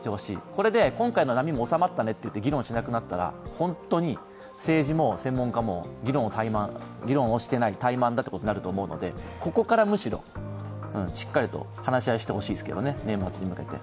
これで今回の波も収まって議論しなくなったら本当に政治も専門家も議論をしていない、怠慢だということになるので、ここからむしろしっかりと話し合いをしてほしいですけどね、年末に向けて。